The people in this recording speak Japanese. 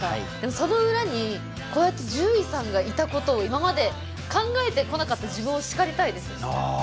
その裏にこうやって獣医さんがいたことを今まで考えてこなかった自分を叱りたいですあ